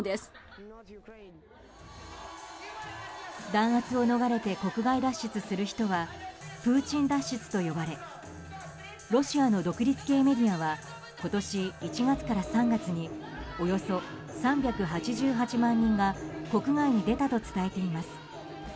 弾圧を逃れて国外脱出する人はプーチン脱出と呼ばれロシアの独立系メディアは今年１月から３月におよそ３８８万人が国外に出たと伝えています。